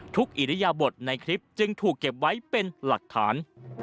อิริยบทในคลิปจึงถูกเก็บไว้เป็นหลักฐาน